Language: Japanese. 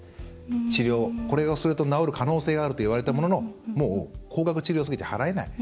治療、これをすると治る可能性があると言われたもののもう高額治療すぎて払えない。